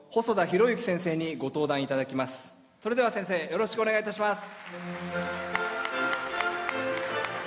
それでは先生よろしくお願いいたします。